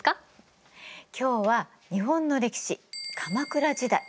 今日は日本の歴史鎌倉時代。